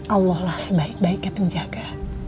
allah lah sebaik baiknya penjaga